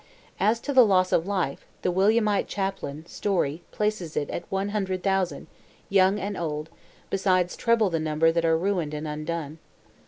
As to the loss of life, the Williamite chaplain, Storey, places it "at 100,000, young and old, besides treble the number that are ruined and undone."